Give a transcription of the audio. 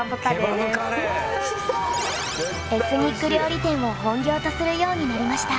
エスニック料理店を本業とするようになりました。